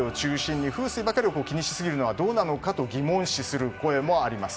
ですが、若い世代を中心に風水ばかりを気にしすぎるのはどうなのかと疑問視する声もあります。